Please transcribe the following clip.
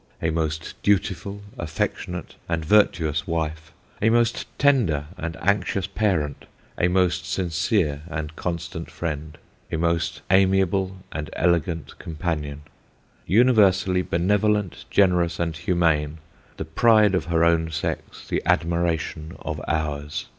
A most dutiful, affectionate, and Virtuous Wife, A most tender and Anxious parent, A most sincere and constant Friend, A most amiable and elegant companion; Universally Benevolent, generous, and humane; The Pride of her own Sex, The admiration of ours.